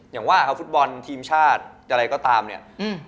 อย่างว่าครับฟุตบอลทีมชาติอะไรก็ตามเนี่ย